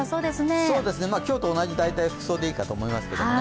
大体、今日と同じ服装でいいと思いますけどね。